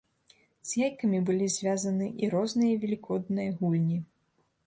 З яйкамі былі звязаны і розныя велікодныя гульні.